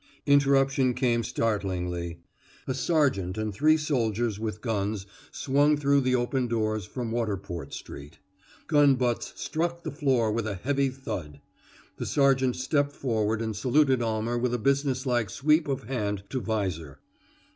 Interruption came startlingly. A sergeant and three soldiers with guns swung through the open doors from Waterport Street. Gun butts struck the floor with a heavy thud. The sergeant stepped forward and saluted Almer with a businesslike sweep of hand to visor.